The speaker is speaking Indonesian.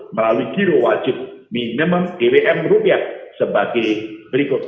melalui zero wajib minimum bbm rupiah sebagai berikut